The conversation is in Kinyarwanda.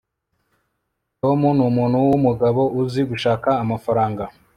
tom numuntu wumugabo uzi gushaka amafaranga